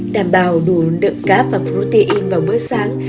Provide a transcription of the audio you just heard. đảm bảo đủ lượng cáp và protein vào bữa sáng